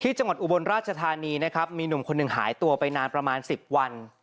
จังหวัดอุบลราชธานีนะครับมีหนุ่มคนหนึ่งหายตัวไปนานประมาณ๑๐วัน